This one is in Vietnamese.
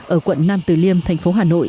ở quận nam từ liêm tp hà nội